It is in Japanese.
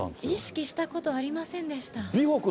意識したことありませんでした。